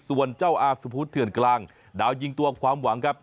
ส่วนเจ้าอาสุพุทธเถื่อนกลางดาวยิงตัวความหวังครับ